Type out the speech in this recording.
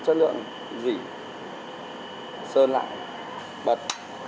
chất lượng rỉ sơn lại bật